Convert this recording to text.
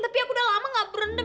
tapi aku udah lama ga berenem